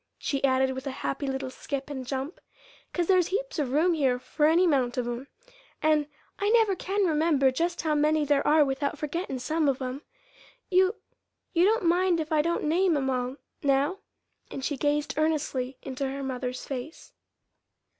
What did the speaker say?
she added, with a happy little skip and jump, "'cause there's heaps of room here for any 'mount of 'em. And I never can remember just how many there are without forgettin' some of 'em. You you don't mind if I don't name 'em all now?" And she gazed earnestly into her mother's face.